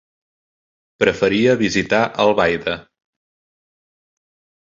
Preferiria visitar Albaida.